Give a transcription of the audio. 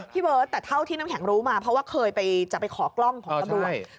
พี่เบิร์ตแต่เท่าที่น้ำแข็งรู้มาเพราะว่าเคยจะไปขอกล้องของตำรวจ